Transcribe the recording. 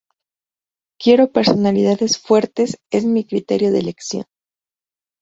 Quiero personalidades fuertes, es mi criterio de elección.